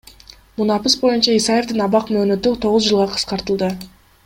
Мунапыс боюнча Исаевдин абак мөөнөтү тогуз жылга кыскартылды.